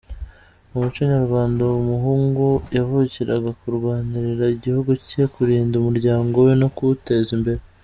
Mu muco nyarwanda umuhungu yavukiraga kurwanirira igihugu cye, kurinda umuryango we no kuwuteza imbere.